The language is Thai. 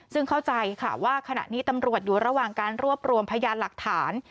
ซึ่งเข้าใจค่ะว่าขณะนี้ตำรวจอยู่ระหว่างการรวบรวมพยานหลักฐาน